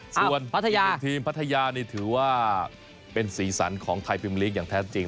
ส่วนทีมพัทยาถือว่าเป็นศีรษรรค์ของไทยพิมพ์ลีกอย่างแท้จริง